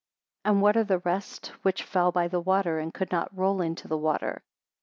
75 And what are the rest which fell by the water, and could not roll into the water?